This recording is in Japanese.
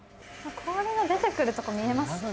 氷の出てくるとこ見えます？